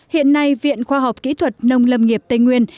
hiện nay viện khoa học kỹ thuật nông lâm nghiệp tây nguyên